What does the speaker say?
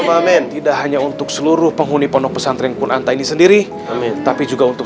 amin tidak hanya untuk seluruh penghuni pondok pesantren kunanta ini sendiri tapi juga untuk